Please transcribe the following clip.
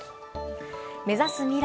目指す未来